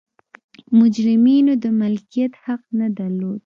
مجرمینو د مالکیت حق نه درلود.